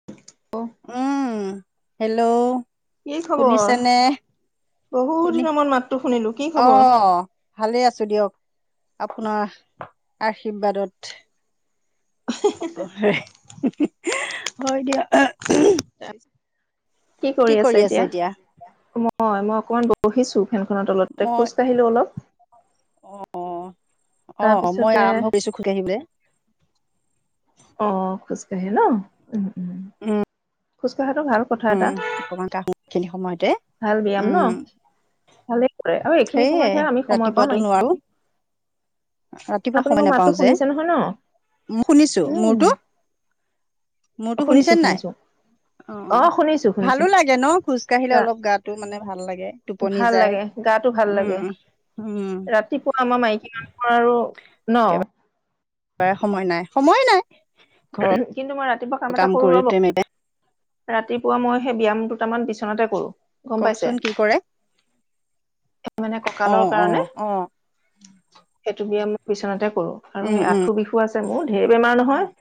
[unintelligible] উম, hello কি খবৰ? শুনিছে নে? বহুত শুনি দিনৰ মূৰত মাতটো শুনিলো কি খবৰ? অ', ভালে আছো দিয়ক আপোনাৰ আশীৰ্বাদত। হ'ব হয় দিয়া [unintelligible] কি কৰি আছে এতিয়া? মই মই অকমান বহিছো। ফেনখনৰ তলতে মই খোজ কাঢ়িলোঁ অলপ। অ', অ', মই তাৰপিছতে আৰম্ভ কৰিছো খুজকাঢ়িবলে। অ', খোজকাঢ়ে ন উম উম। উম খোজকাঢ়াটো ভাল কথা এটা। অকমান কাঢ়ো এইখিনি সময়তে। ভাল ব্যায়াম ন? উম ভালে কৰে আৰু এইখিনি সেয়ে সময়তহে আমি সময় পাম ৰাতিপুৱাতো মাইকী নোৱাৰো ৰাতিপুৱা আপুনি সময় মোৰ নাপাও মাতটো যে। শুনিছে নহয় ন? শুনিছো উম। মোৰতো মোৰতো শুনিছো শুনিছেনে নাই? শুনিছো অ' অ'। শুনিছো শুনিছো ভালো লাগে ন খোজ কাঢ়িলে অলপ গাটো মানে ভাল লাগে টোপনি ভাল যায়। লাগে গাটো ভাল লাগে উম, উম। ৰাতিপুৱা আমাৰ মাইকী মানুহৰ আৰু ন বাৰে সময় নাই সময়ে নাই। কিন্তু মই ৰাতিপুৱা কাম এটা কৰো ৰব কৰোতে মে ৰাতিপুৱা মই সেই ব্যায়াম দুটামান বিচনাতে কৰোঁ। কওকচোন কি কৰে, মানে কঁকালৰ অ', কাৰণে অ', অ'। সেইটো বিয়াম মই বিচনাতে কৰো আৰু উম, সেই উম, আঁঠু বিষো আছে মোৰ, ধেৰ বেমাৰ নহয়।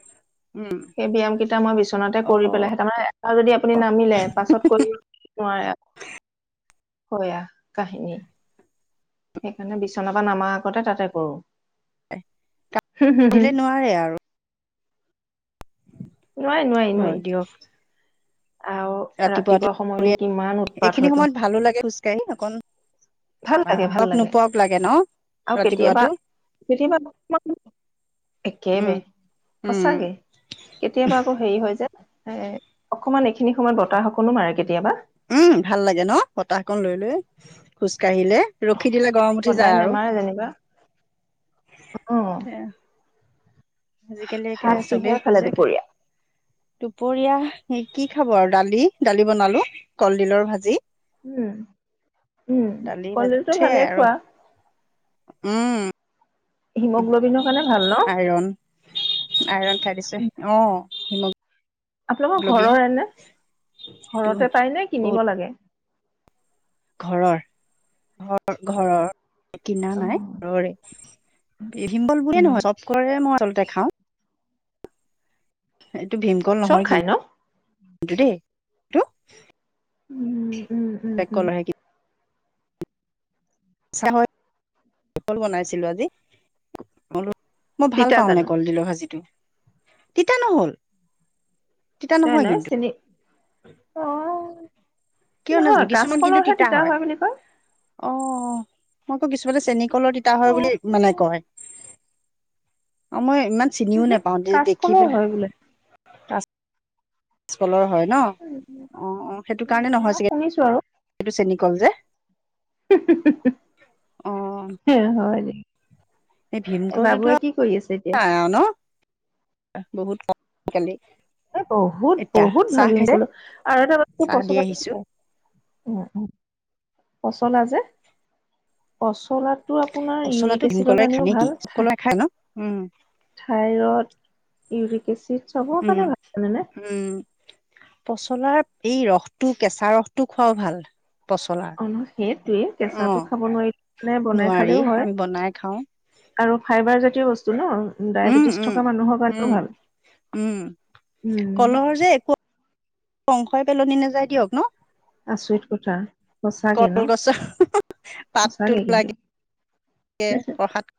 উম, সেই ব্যায়াম কেইটা মই বিচনাতে কৰি অ'। পেলাইহে তাৰমানে এটা যদি আপুনি নামিলে পাছত কৰিব নোৱাৰে। কয়া কাহিনী সেইকাৰণে বিছনাৰ পৰা নামাৰ আগতে তাতে কৰো। [unintelligible] তা পিলে নোৱাৰে আৰু। নোৱাৰি, নোৱাৰি, হয় নোৱাৰি। দিয়ক আও ৰাতিপুৱাতো ৰাতিপুৱা সময়তো কিমান উৎপাত এইখিনি হয়তো। সময়ত ভালো লাগে খোজ কাঢ়ি অকন ভাল লাগে, ভাল লাগে, ন? আও কেতিয়াবা ৰাতিপুৱাতো কেতিয়াবা [unintelligible] একেবে উম, উম, সঁচাকে। কেতিয়াবা আকৌ হেৰি হয় যে, এ অকমান এইখিনি সময়ত বতাহ অকনো মাৰে কেতিয়াবা। উম, ভাল লাগে ন, বতাহ কন লৈ লৈ খোজ কাঢ়িলে। ৰখি দিলে গৰম উঠি সদায় যায় আৰু। নেমাৰে যেনিবা অ আজিকালি একে ভাত চবেই কিহেৰে খোজ খালে কাঢ়ে। দুপৰীয়া দুপৰীয়া হে কি খাব আৰু দালি, দালি বনালো কলডিলৰ ভাজি। উম, উম, দালি ভাজি কলডিতো ভালে সেয়াই আৰু খোৱা। উম। হিমগ্ল'বিনৰ কাৰণে ভাল ন আইৰন, আইৰন খাই দিছে, অ' হিম আপোনালোকৰ ঘৰৰ এনে? সেইটো ঘৰতে পাই নে কিনিব বহুত লাগে? ঘৰৰ, ঘ-ঘৰৰ। কিনা অ নাই ঘৰৰে, [unintelligible] বুলিয়ে উম নহয় চব কলে মই আচলতে খাও। এইটো ভীমকল চব নহয় খাই ন কিন্তু দেই। এইটো উম, উম, উম, ব্লেক উম। কলৰহে চাহ [unintelligible] বনাইছিলো আজি [unintelligible] মই ভাল তিতা পাওঁ মানে জানো কলডিলৰ ভাজিটো, তিতা নহল। তিতা নাই নহয় নাই, কিন্তু চিনি অ' কিয় নাজানো নহয়, কিছুমান কিন্তু কাচকলৰহে তিতা হয় বুলি কয়। অ', মই আকৌ কিছুমানে চেনী কলৰ তিতা হয় অ বুলি মানে কয়। অ', মই ইমান চিনিও উহু নেপাও দে-দেখি কাচকলৰ পেলাই। হয় বোলে কলৰ হয় ন। অ', অ', সেইটো কাৰণে মই নহয় চাগে শুনিছো আৰু। এইটো চেনি কল যে। অ [unintelligible] এ হয় নি। এই ভীমকলটোতো [unintelligible] এতিয়া আও ন, বহুত কম আজিকালি। এই বহুত এতিয়া বহুত চাহ ভাল ভীম খাইছে কলো, আৰু এটা মান চাহ দি পচলাই আহিছো উম উম, পচলা যে। পচলাটো আপোনাৰ পচলাটো ইউৰিক এচিডৰ ভীমকলৰে খায় কাৰণেও নেকি ভাল। কলৰে খায় ন উম থাইৰড, ইউৰিক এচিড। চবৰ উম। কাৰণে ভাল জানেনে উম, পচলাৰ এই ৰসটো কেঁচা ৰসটো খোৱাও ভাল। পচলাৰ অ', ন সেইটোৱে অ কেঁচাটো খাব নোৱাৰিলে বনাই নোৱাৰি খালেও হয়। আমি বনাই খাওঁ আৰু ফাইবাৰ জাতীয় বস্তু ন উম ডায়বেটিছ উম থকা মানুহৰ কাৰণেও উম ভাল, উম উম। কলৰ যে একো অংশই পেলনি নাযাই দিয়ক, ন। আচৰিত কথা সঁচাকে ন কলগছৰ‌, পাতটো সঁচাকে কিন্তু লাগে। এ প্ৰসাদ।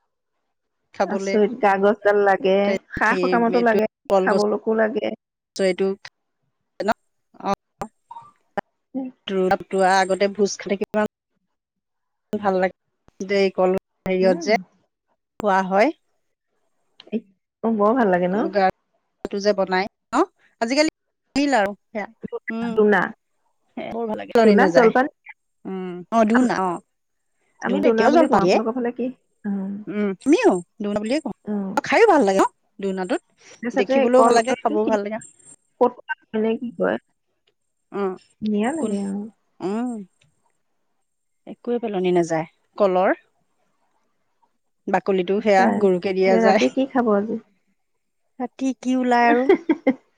খাবলৈ আচৰিত গা গজডাল লাগে সেই সা সকামতো লাগে খাবলোকো লাগে। চ এইটো। ন উম। ত তোৱা আগতে ভোজ খালে কেইদিনমান। ভাল লাগে দেই কল। হেৰিয়ত উম। যে খোৱা হয়। মোক বৰ ভাল লাগে। ন? গাওটো যে বনাই অ আজিকালি আহিল আৰু সেয়া উম। [unintelligible] দোনা বৰ ভাল লাগে, একো পেলনী দোনাত নাযায়, জলপান উম অ আম- দুনা অ। আমি ধুনে দোনা এতিয়াও বুলি কওঁ জলপান দিয়ে আপোনালোকৰ ফালে কি? অ উম তুমিও। দুৰ্ন বুলিয়ে কও, অ শ খাইও ভাল লাগে অ দোৰ্নটোত দেখিবলৈও ভাল লাগে খাবও ভাল লাগে। ক'ত মানে কি কয়। উম ধুনীয়া কোন লাগে অ উম। একোৱেই পেলনি নাযায় কলৰ। বাকলিটো সেয়া সঁচাই গৰুকে দিয়া এতিয়া ৰাতি যায়। কি খাব আজি? ৰাতি কি ওলাই আৰু।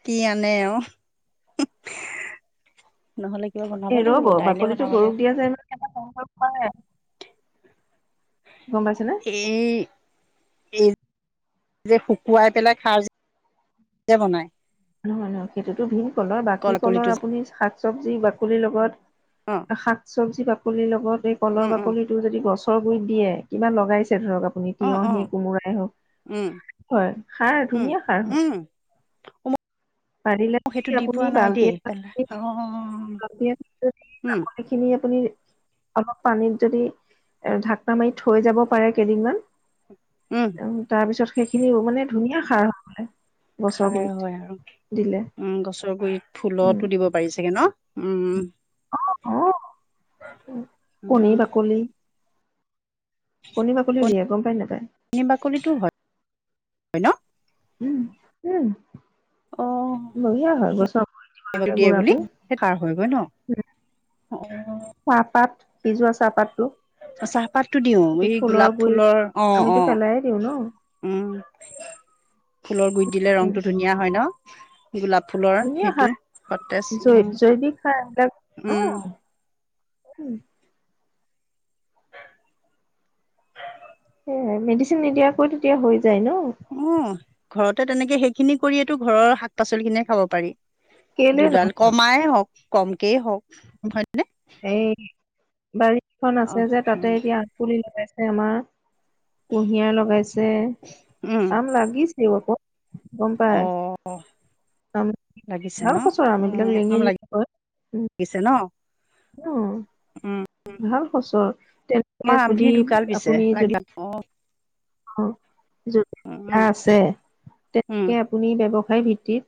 কি আনে এও, নহলে। কিবা এ বনাব লাগিব ৰব দাইলে বাকলিতো বনাব লাগিব গৰুক দিয়া যায় নহয়। [unintelligible] গম পাইছা নে? এই এই যে শুকুৱাই পেলাই খাৰ যে। যে বনাই। নহয় নহয় সেইটোতো ভিম কলৰ বাকী কল কলিটো কলৰ যে আপুনি শাক। চবজি বাকলিৰ অ লগত শাক চবজি বাকলিৰ লগত এই কলৰ উম উম বাকলি। টোৰ যদি গছৰ গুৰিত দিয়ে কিবা লগাইছে ধৰক। আপুনি অ অ তিয়হি কোমোৰাই উম হওক হয় খাৰ উম ধুনীয়া খাৰ হয়। উম [inaudible] পাৰিলে সেইটো দি আপুনি পোৱা নাই বাল্টি দেই এটাত। পেলাই অ উম [unintelligible] খিনি আপুনি। অলপ পানীত যদি এ ঢাকনা মাৰি থৈ যাব পাৰে কেইদিনমান। উম। তাৰপিছত সেইখিনিও মানে ধুনীয়া সাৰ হৈ গলে গছৰ খাই গুৰিত হয় আৰু দিলে। উম গছৰ গুৰিত উম ফুলতো দিব পাৰি চাগে ন উম উম। অ অ কণী উম বাকলি। কণী বাকলিও দিয়ে গম পায় নেপায়। কণী বাকলিটো হয় হয় ন। উম উম। অ। বঢ়িয়া হয় গছক। বাকলিটো দিয়ে বুলি সেই খাৰ হয় গৈ ন, উম, অ চাহপাত সিজোৱা চাহপাতটো। চাহপাতটো দিও এইটো এই গোলাপ গুৰিত ফুলৰ অ অ। আমিতো পেলাইয়ে দিওঁ ন উম ফুলৰ গুইট দিলে উম ৰংটো ধুনীয়া হয় ন। গোলাপ ফুলৰ ধুনীয়া সেইটো সতেজ উম। ছে এইবিলাক অহ উম, উম। [unintelligible] এহে মেডিচিন নিদিয়াকৈ তেতিয়া হৈ যায় ন? উম ঘৰতে তেনেকে সেইখিনি কৰিয়েটো ঘৰৰ শাক-পাচলি খিনিয়ে খাব পাৰি। কেলে দুডাল কমাই হওক, কমকেই হওক। এই বাৰীখন আছে অ', যে তাতে এতিয়া। পুলি লগাইছে আমা, কুঁহিয়াৰ লগাইছে, উম, আম লাগিছ থাকিব কত? [unintelligible] গম পায়। অ', আম লাগিছে ভাল ন খচৰা আম এইবিলাক লেঙিৰি দিছে ন? য়োম। উম। ভাল খচৰ, তেনেকে খিনি যদি ঢুকাল পিছে আপুনি লাগি যদ অ। অ যদ উম, উম, আছে উম, তেনেকে আপুনি ব্যৱসায় ভিত্তিত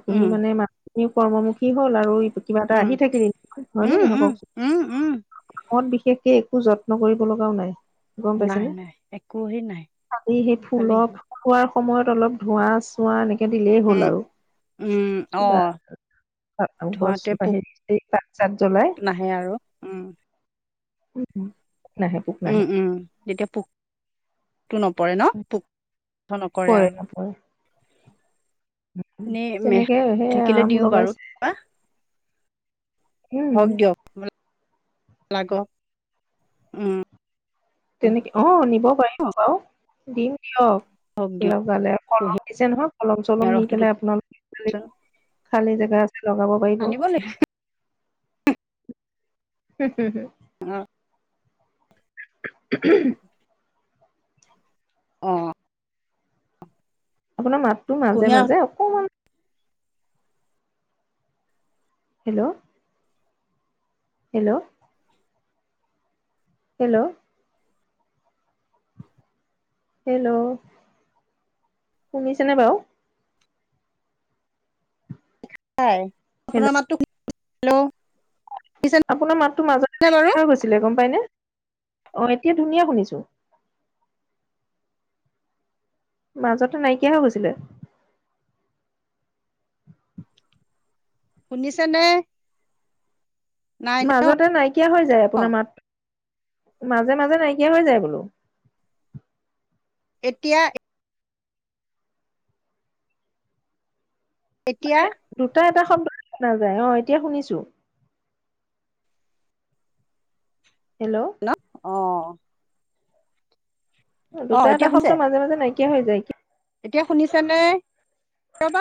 আপুনি মানে উম, মানুহখিনিও কৰ্মমুখী হ'ল আৰু কিবা এটা আহি থাকিল। হয় ন উম, নহয় উম, কওক উম, উম। মত বিশেষকে একো যত্ন কৰিব লগাও নাই। গম নাই, পাইছেনে নাই। একো হে নাই। খালি সেই খালি ফুলৰ ফুল হোৱাৰ সময়ত অলপ ধোঁৱাচ টোৱা এনেকে দিলেই হ'ল উম, আৰু উম, কিবা অ', ধোৱাতে পোক [unintelligible] পাত-চাত জ্বলাই নাহে আৰু উম, উম হু। উম, উম তেতিয়া পোক টো নপৰে ন? পোকটো নকৰে পৰে আৰু। নপৰে এনেই মেহ তেনেকে সে থাকিলে আম দিওঁ বাৰু লগাইছে। উম হওক দিয়ক [unintelligible] উম লাগক। উম। তেনেকে অ নিব পাৰিব বাও। দিম দিয়ক। অলপ গালে কলম কুঁহিয়াৰ দিছে নহয়। কলম-চলম নি ৰসটোতো পেলাই আপোনা খালি জেগা আছে লগাব পাৰিব। আনিব লাগিব হু, হু, হু। অ। [unintelligible] অ। আপোনাৰ মাতটো কুঁহিয়াৰ মাজে-মাজে অকমান হেল্ল। হেল্ল। হেল্ল। হেল্ল, শুনিছেনে বাও? পায় হেল্ল' আপোনাৰ মাতটো [unintelligible] হেল্ল। শুনিছেনে আপোনাৰ মাতটো মাজতে বাৰু নাইকিয়া হৈ গৈছিলে, গম পাই নে? অ এতিয়া ধুনীয়া শুনিছো। মাজতে নাইকিয়া হৈ গৈছিলে। শুনিছে নে? মাজতে নাইকিয়া হৈ যায় আপোনাৰ মাতটো। মাজে-মাজে নাইকিয়া হৈ যায় বোলো। এতিয়া এ এতিয়া? মানে দুটা এটা শব্দহে শুনা যায়, অ এতিয়া শুনিছো। হেল্ল'। ন অ। অ দুটা, এটা এতিয়া শব্দ শুনিছে মাজে-মাজে নাইকিয়া হৈ যায়। কি এতিয়া শুনিছা নে? কিয় বা